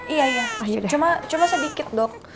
iya iya cuma sedikit dok